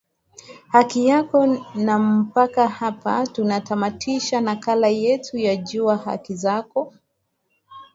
haki yako na mpaka hapa tunatamatisha makala yetu ya jua haki zako